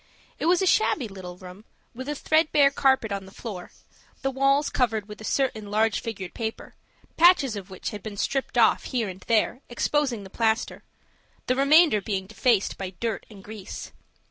It was a shabby little room, with a threadbare carpet on the floor, the walls covered with a certain large figured paper, patches of which had been stripped off here and there, exposing the plaster, the remainder being defaced by dirt and grease.